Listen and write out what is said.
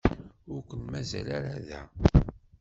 Ur ken-mazal ara da.